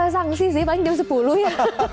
sanksi sih paling jam sepuluh ya